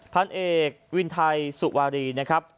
พันเอกวินไทยสุวารีนะครับ